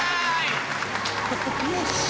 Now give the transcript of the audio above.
よし！